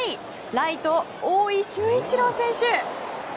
ライト、大井駿一郎選手。